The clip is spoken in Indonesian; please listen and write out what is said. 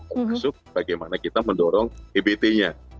termasuk bagaimana kita mendorong ebt nya